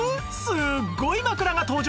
すごい枕が登場！